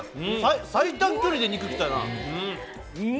最短距離で肉きたな。